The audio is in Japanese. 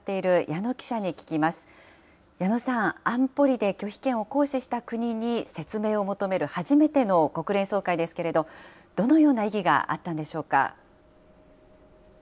矢野さん、安保理で拒否権を行使した国に説明を求める初めての国連総会ですけれど、どのような意義があったんでしょうか。